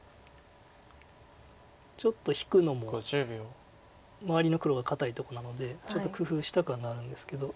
ちょっと引くのも周りの黒が堅いとこなのでちょっと工夫したくはなるんですけど。